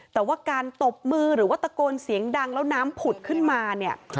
แต่ว่าการตบมือหรือว่าตะโกนเสียงดังแล้วน้ำผุดขึ้นมาเนี่ย